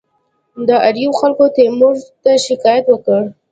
د آریوب خلکو تیمور ته شکایت وکړ.